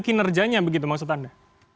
kinerjanya begitu maksud anda